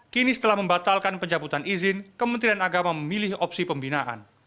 kini setelah membatalkan pencabutan izin kementerian agama memilih opsi pembinaan